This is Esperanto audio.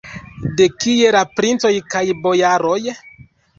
De kie la princoj kaj bojaroj?